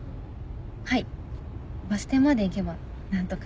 はいバス停まで行けば何とか。